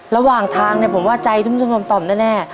ระหว่างทางเนี่ยผมว่าใจตุ้มต่อมต่อมแน่